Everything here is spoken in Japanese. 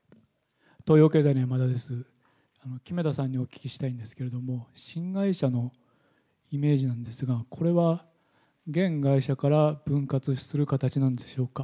木目田さんにお聞きしたいんですけれども、新会社のイメージなんですが、これは現会社から分割する形なんでしょうか。